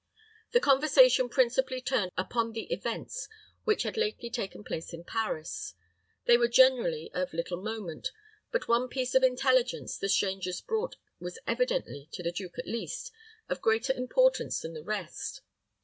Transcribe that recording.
The conversation principally turned upon the events which had lately taken place in Paris. They were generally of little moment; but one piece of intelligence the strangers brought was evidently, to the duke at least, of greater importance than the rest.